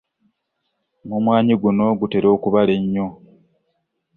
Omumwanyi guno gutera okubala ennyo.